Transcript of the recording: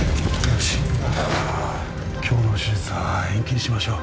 今日の手術は延期にしましょう。